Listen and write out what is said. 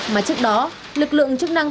mà trước đó lực lượng chức năng